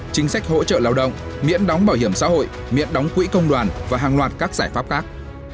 chính sách hỗ trợ lao động miễn đóng bảo hiểm xã hội miễn đóng quỹ công đoàn và hàng loạt các giải pháp khác